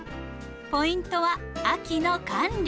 ポイントは秋の管理。